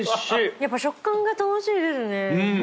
やっぱ食感が楽しいですねうん！